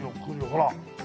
ほら。